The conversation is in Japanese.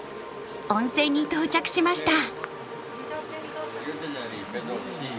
温泉に到着しました。